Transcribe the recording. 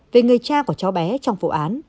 về người cha của cháu bé trong vụ án